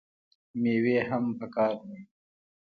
میوې هم پکار دي.